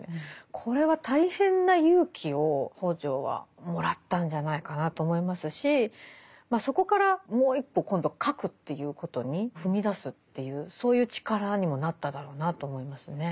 これは大変な勇気を北條はもらったんじゃないかなと思いますしそこからもう一歩今度書くということに踏み出すというそういう力にもなっただろうなと思いますね。